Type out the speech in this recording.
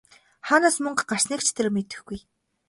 Хаанаас мөнгө гарсныг ч тэр мэдэхгүй!